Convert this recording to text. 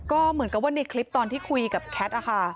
ก็เหมือนกับว่าในคลิปตอนที่คุยกับแคท